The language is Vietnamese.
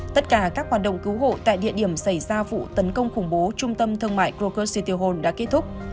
tất cả các hoạt động cứu hộ tại địa điểm xảy ra vụ tấn công khủng bố trung tâm thương mại krokosytyrhon đã kết thúc